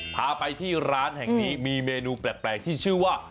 พาไปที่ร้านแห่งนี้มีเมนูแปลกที่ชื่อว่า